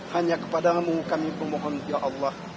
hanya kepadamu kami pemohon ya allah